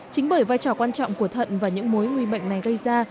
chính bởi vai trò quan trọng của thận và những mối nguy bệnh này gây ra